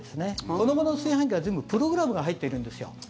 このごろの炊飯器は全部プログラムが入ってるんですよ。